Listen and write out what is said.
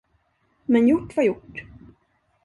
Men gjort var gjort.